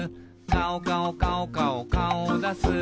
「かおかおかおかおかおをだす」